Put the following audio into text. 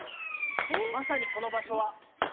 まさにこの場所は。